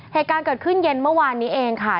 เหตุการณ์เกิดขึ้นเย็นเมื่อวานนี้เองค่ะ